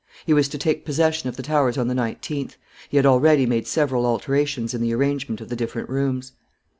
He was to take possession of the Towers on the 19th. He had already made several alterations in the arrangement of the different rooms.